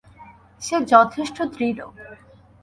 সে যথেষ্ট দৃঢ়।